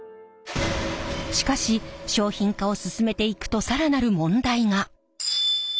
しかし商品化を進めていくと更なる問題が。